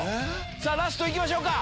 さぁラスト行きましょうか。